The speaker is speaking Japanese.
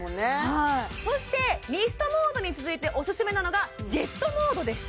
はいそしてミストモードに続いておすすめなのがジェットモードです